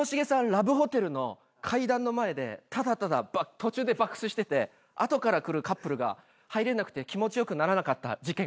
ラブホテルの階段の前でただただ途中で爆睡してて後から来るカップルが入れなくて気持ち良くならなかった事件が発生しました。